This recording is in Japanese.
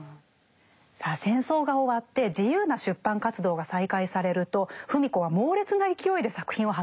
さあ戦争が終わって自由な出版活動が再開されると芙美子は猛烈な勢いで作品を発表していきました。